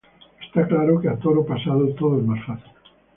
Está claro que a toro pasado todo es más fácil